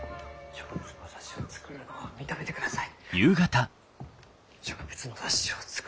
植物の雑誌を作るがを認めてください。